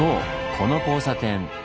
この交差点。